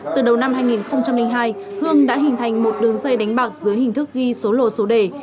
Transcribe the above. từ đầu năm hai nghìn hai hương đã hình thành một đường dây đánh bạc dưới hình thức ghi số lô số đề